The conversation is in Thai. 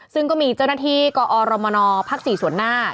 ซึ่งก็มีเจ้าหน้าที่กอรมนภ๔ส่วนหน้า